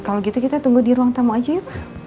kalau gitu kita tunggu di ruang tamu aja ya